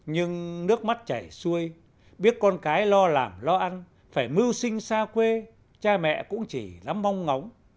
nhưng nước mắt chảy xuôi biết con cái lo làm lo ăn phải mưu sinh xa quê cha mẹ cũng chỉ lắm mong ngóng